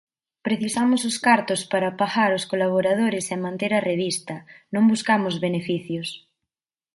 Precisamos os cartos para pagar os colaboradores e manter a revista, non buscamos beneficios.